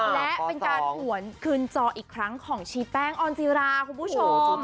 และเป็นการหวนคืนจออีกครั้งของชีแป้งออนจิราคุณผู้ชม